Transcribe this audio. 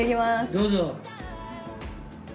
どうぞ。